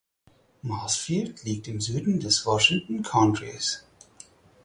Marshfield liegt im Süden des Washington Countys.